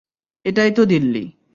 এটাই তো দিল্লি।